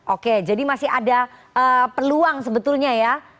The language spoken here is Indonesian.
oke jadi masih ada peluang sebetulnya ya